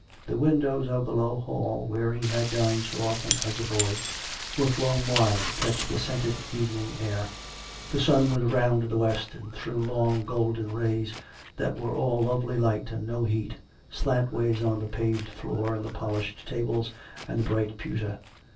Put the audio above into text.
The windows of the low hall where he had dined so often as a boy, were flung wide to catch the scented evening air. The sun was round to the west and threw long, golden rays, that were all lovely light and no heat, slantways on the paved floor and the polished tables and the bright pewter.